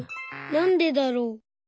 なんでだろう。